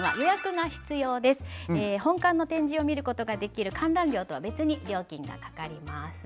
本館の展示を見ることができる観覧料とは別に料金がかかります。